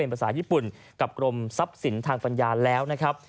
ภาษาญี่ปุ่นกับกรมทรัพย์สินทางปัญญาแล้วนะครับ